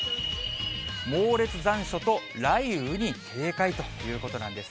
猛烈残暑と雷雨に警戒ということなんです。